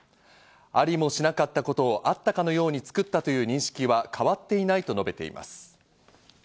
ありもしなかったことをあったかのように作ったという認識は変わっていないと述べています。